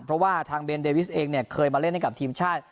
เพราะว่าทางเบนเดวิสเองเนี่ยเคยมาเล่นให้กับทีมชาติ